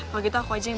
masak mi ya pak